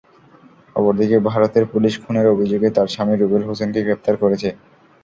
অপরদিকে ভারতের পুলিশ খুনের অভিযোগে তাঁর স্বামী রুবেল হোসেনকে গ্রেপ্তার করেছে।